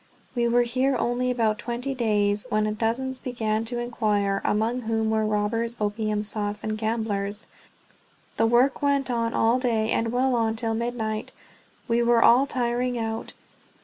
We were here only about twenty days when dozens began to inquire, among whom were robbers, opium sots, and gamblers. The work went on all day and well on till midnight. We were all tiring out.